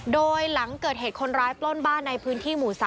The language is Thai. โดยหลังเกิดเหตุคนร้ายปล้นบ้านในพื้นที่หมู่๓